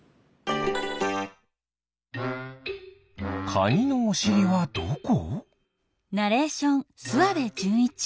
カニのおしりはどこ？